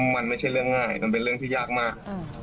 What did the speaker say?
มันไม่ใช่เรื่องง่ายมันเป็นเรื่องที่ยากมาก